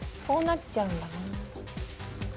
こうなっちゃうんだな。